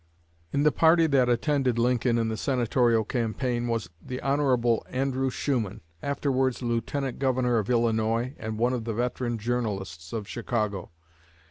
In the party that attended Lincoln in the Senatorial campaign was the Hon. Andrew Shuman, afterwards Lieutenant Governor of Illinois and one of the veteran journalists of Chicago.